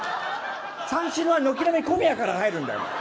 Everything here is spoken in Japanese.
三四郎は軒並み小宮から入るんだよ。